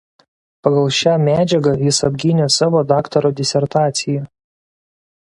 Pagal šią medžiagą jis apgynė savo daktaro disertaciją.